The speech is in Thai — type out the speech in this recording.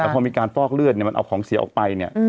แต่พอมีการฟอกเลือดเนี่ยมันเอาของเสียออกไปเนี่ย